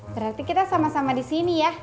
berarti kita sama sama di sini ya